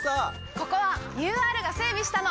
ここはＵＲが整備したの！